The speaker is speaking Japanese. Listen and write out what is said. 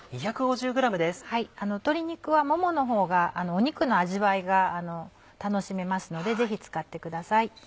鶏肉はももの方が肉の味わいが楽しめますのでぜひ使ってください。